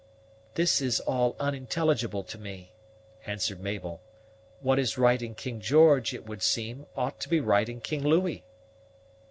"This is all unintelligible to me," answered Mabel. "What is right in King George, it would seem, ought to be right in King Louis."